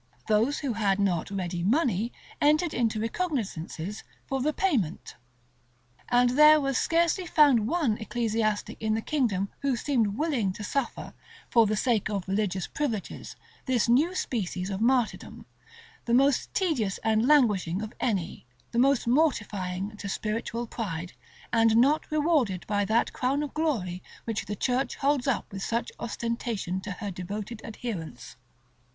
[] Those who had not ready money, entered into recognizances for the payment. And there was scarcely found one ecclesiastic in the kingdom who seemed willing to suffer, for the sake of religious privileges, this new species of martyrdom, the most tedious and languishing of any, the most mortifying to spiritual pride, and not rewarded by that crown of glory which the church holds up with such ostentation to her devoted adherents.